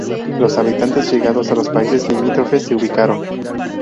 Los habitantes llegados de los países limítrofes se ubicaron.